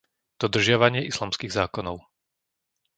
dodržiavanie islamských zákonov